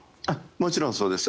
もちろんそうです。